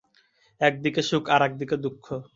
একদিকে সুখ, আর একদিকে দুঃখ।